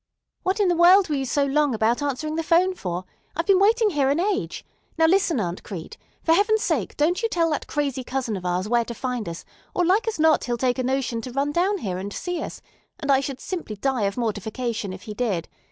"What in the world were you so long about answering the 'phone for? I've been waiting here an age. Now, listen, Aunt Crete. For heaven's sake don't you tell that crazy cousin of ours where to find us, or like as not he'll take a notion to run down here and see us; and I should simply die of mortification if he did.